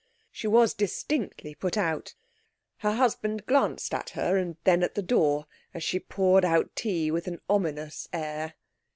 She was distinctly put out. Her husband glanced at her and then at the door, as she poured out tea with an ominous air.